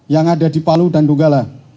yang ada di palu dan dugala